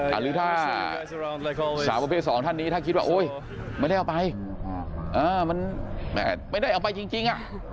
หรือถ้าสาวประเภทสองท่านนี้ถ้าคิดว่าโอ๊ยไม่ได้เอาไปมันไม่ได้เอาไปจริง